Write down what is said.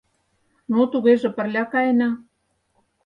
— Ну, тугеже пырля каена.